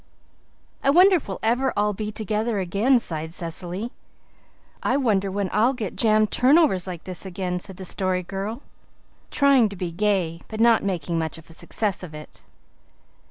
"I wonder if we'll ever all be together again," sighed Cecily. "I wonder when I'll get jam turnovers like this again," said the Story Girl, trying to be gay but not making much of a success of it.